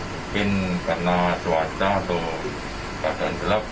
mungkin karena cuaca atau keadaan gelap